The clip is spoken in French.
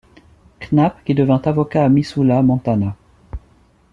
Knapp qui devint avocat à Missoula, Montana.